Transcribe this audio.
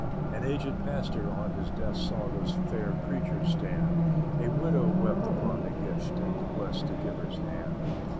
An aged Pastor, on his desk Saw those fair preachers stand; A Widow wept upon the gift, And blessed the giver's hand.